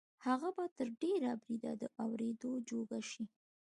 هغه به تر ډېره بریده د اورېدو جوګه شي